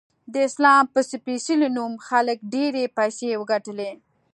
د اسلام په سپیڅلې نوم خلکو ډیرې پیسې وګټلی